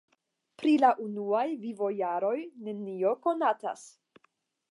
Pri la unuaj vivojaroj nenio konatas.